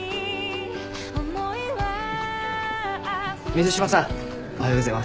水島さんおはようございます。